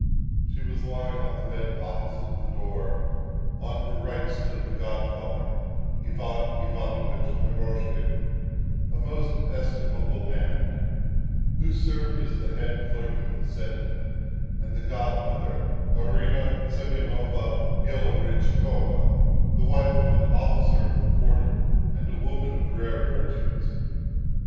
She was lying on the bed opposite the door; on her right stood the godfather, Ivan Ivanovich Eroshkin, a most estimable man, who served as the head clerk of the senate; and the godmother, Arina Semyonovna Bielobrinshkova, the wife of an officer of the quarter, and a woman of rare virtues.